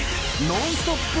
ノンストップ！